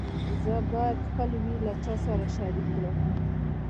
زه باید خپل ویر له چا سره شریک کړم.